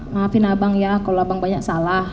maafin abang ya kalau abang banyak salah